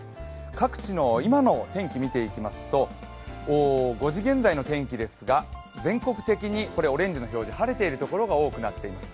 各地の今の天気見ていきますと５時現在の天気ですが全国的に晴れているところが多くなっています。